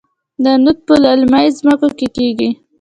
نخود په للمي ځمکو کې کیږي.